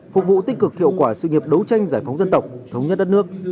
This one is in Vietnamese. phục vụ tích cực hiệu quả sự nghiệp đấu tranh giải phóng dân tộc thống nhất đất nước